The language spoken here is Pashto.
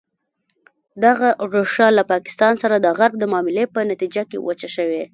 دغه ریښه له پاکستان سره د غرب د معاملې په نتیجه کې وچه شوې.